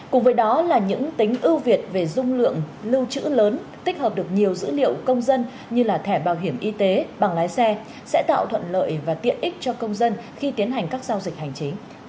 cùng với đó là những tính ưu việt về dung lượng lưu trữ lớn tích hợp được nhiều dữ liệu công dân như thẻ bảo hiểm y tế bằng lái xe sẽ tạo thuận lợi và tiện ích cho công dân khi tiến hành các giao dịch hành chính